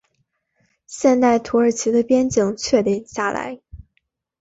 现代土耳其的边境确定下来。